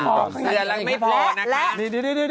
และและและ